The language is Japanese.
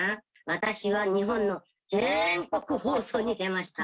私は日本の全国放送に出ました。